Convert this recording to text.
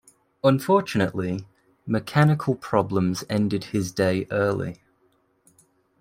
Unfortunately, mechanical problems ended his day early.